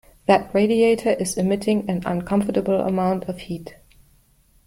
That radiator is emitting an uncomfortable amount of heat.